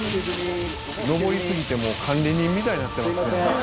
「登りすぎてもう管理人みたいになってますね」